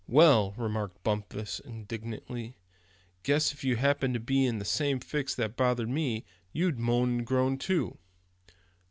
"Well," remarked Bumpus, indignantly; "guess if you happened to be in the same fix that bothers me, you'd moan and groan too."